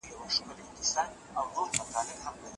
د يوې ډلي سياست د هغوی د موخو ښکارندويي کوي.